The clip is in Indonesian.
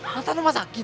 nathan rumah sakit